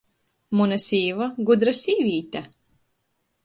Muna sīva - gudra sīvīte!